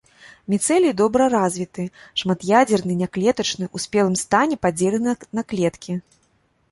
Міцэлій добра развіты, шмат'ядзерны, няклетачны, у спелым стане падзелены на клеткі.